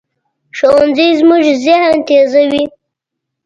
ښوونځی زموږ ذهن تیزوي